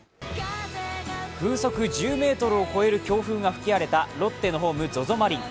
風速１０メートルを超える風が吹き荒れたロッテのホーム、ＺＯＺＯマリン。